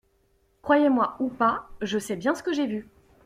Croyez-moi ou pas, je sais bien ce que j’ai vu.